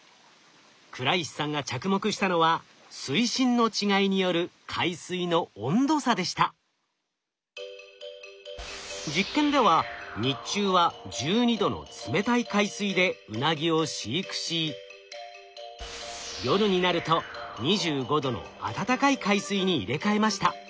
倉石さんが着目したのは水深の違いによる実験では日中は１２℃の冷たい海水でウナギを飼育し夜になると２５℃の温かい海水に入れ替えました。